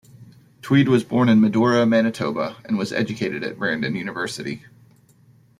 Tweed was born in Medora, Manitoba, and was educated at Brandon University.